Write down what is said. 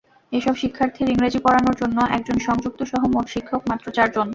এসব শিক্ষার্থীর ইংরেজি পড়ানোর জন্য একজন সংযুক্তসহ মোট শিক্ষক মাত্র চারজন।